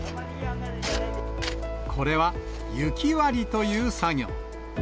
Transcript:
これは、雪割りという作業。